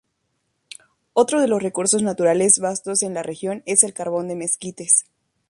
Otro de los recursos naturales bastos en la región, es el carbón de mezquites.